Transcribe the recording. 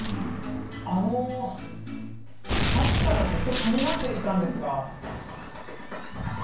あのさっきからずっと気になっていたんですが。